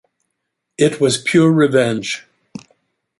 It was pure revenge.